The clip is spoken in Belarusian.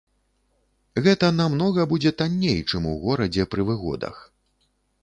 Гэта намнога будзе танней, чым у горадзе пры выгодах.